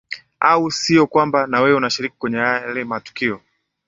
au sio kwamba na wewe unashiriki kwenye yale matukio